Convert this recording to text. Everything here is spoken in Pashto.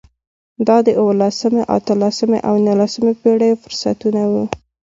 دا د اولسمې، اتلسمې او نولسمې پېړیو فرصتونه وو.